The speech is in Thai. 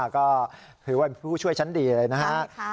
ก็ถือว่าเป็นผู้ช่วยชั้นดีเลยนะฮะ